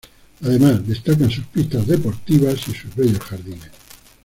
Además, destacan sus pistas deportivas y sus bellos jardines.